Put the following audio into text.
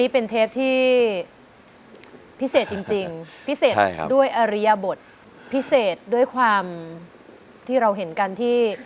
เป็นเทปที่พิเศษจริงพิเศษด้วยอริยบทพิเศษด้วยความที่เราเห็นกันที่